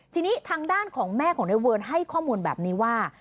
ทีนี้ทางด้านของแม่ของในเวิร์นให้ข้อมูลแบบนี้ว่า